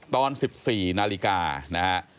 ตอนสิบสี่นาฬิกานะฮะ